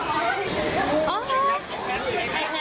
ตายน้ำมะไม่น้ำเปล่า